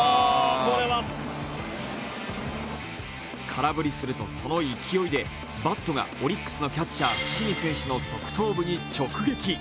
空振りすると、その勢いでバットがオリックスのキャッチャー、伏見選手の側頭部に直撃。